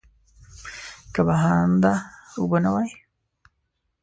که بهانده اوبه نه وای.